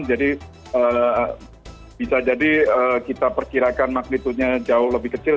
jadi bisa jadi kita perkirakan maknitudenya jauh lebih kecil